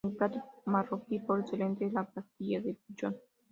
El plato marroquí por excelencia es la Pastilla de pichón.